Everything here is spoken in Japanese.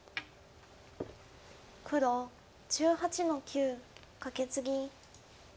黒１８の九カケツギ。